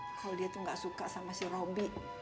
kalo dia tuh gak suka sama si robby